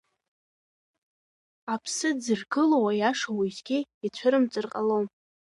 Аԥсы дзыргылоу аиаша уеизгьы ицәырымҵыр ҟалом.